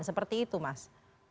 seperti itu mas